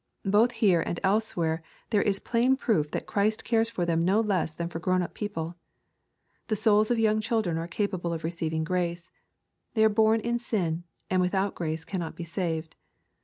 Both here and elsewhere there is plain proof that Christ cares for them no less than for grown up people. — The souls of young children are capable of re ceiving grace. They are born in sin, and without grace cannot be saved.